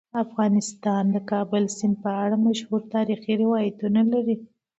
افغانستان د کابل سیند په اړه مشهور تاریخی روایتونه لري.